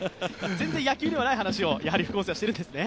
全然野球ではない話を副音声ではしているんですね。